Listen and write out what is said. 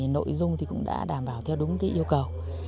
nội dung cũng đã đảm bảo theo đúng yêu cầu